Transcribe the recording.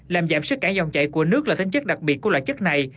làm giảm sức cả dòng chảy của nước là tính chất đặc biệt của loại chất này